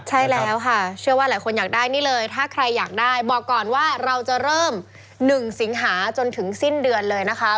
ใช่แล้วค่ะเชื่อว่าหลายคนอยากได้นี่เลยถ้าใครอยากได้บอกก่อนว่าเราจะเริ่ม๑สิงหาจนถึงสิ้นเดือนเลยนะคะ